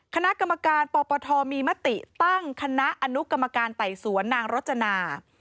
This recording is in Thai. คณะกรรมการปปทมีมติตั้งคณะอนุกรรมการไต่สวนนางรจนา